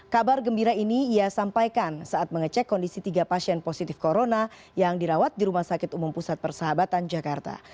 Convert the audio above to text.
kabar gembira ini ia sampaikan saat mengecek kondisi tiga pasien positif corona yang dirawat di rumah sakit umum pusat persahabatan jakarta